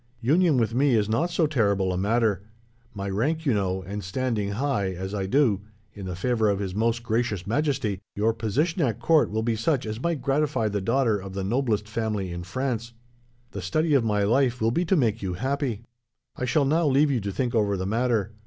Union with me is not so terrible a matter. My rank you know, and standing high, as I do, in the favour of His Most Gracious Majesty, your position at court will be such as might gratify the daughter of the noblest family in France. The study of my life will be to make you happy. "'I shall now leave you to think over the matter.